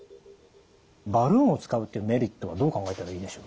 バルーンを使うっていうメリットはどう考えたらいいでしょう？